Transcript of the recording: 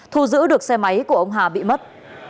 thu giữ được xe máy của ông hà bị mất